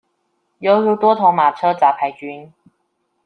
猶如多頭馬車雜牌軍